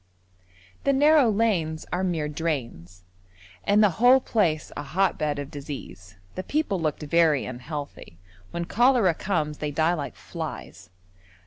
The narrow lanes are mere drains, and the whole place a hotbed of disease; the people looked very unhealthy: when cholera comes they die like flies.